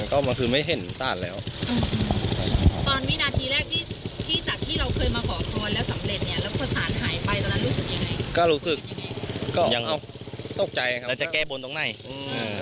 แล้วเรามาสาหรับคนแถวนี้ก็ไม่รู้ไม่มีใครรู้เลยว่าศาลหายไปไหน